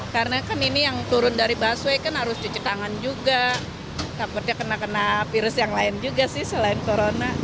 karena kan ini yang turun dari busway kan harus cuci tangan juga takutnya kena kena virus yang lain juga sih selain corona